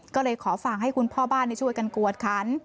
ก็เลยขอฝากให้คุณพ่อบ้านช่วยกันกวดขัน